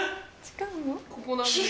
ここなんです。